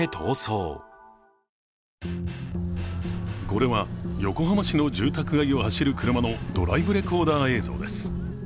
これは横浜市の住宅街を走る車のドライブレコーダー映像です。